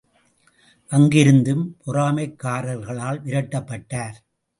அங்கிருந்தும் பொறாமைக்காரர்களால் விரட்டப்பட்டார்!